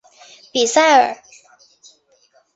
比塞尔。